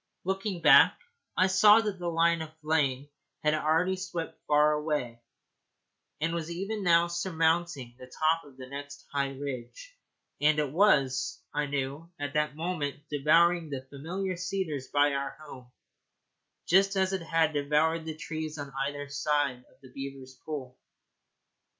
Looking back, I saw that the line of flame had already swept far away, and was even now surmounting the top of the next high ridge; and it was, I knew, at that moment devouring the familiar cedars by our home, just as it had devoured the trees on either side of the beavers' pool.